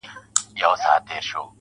و دې محفل ته سوخه شنگه پېغلچکه راځي,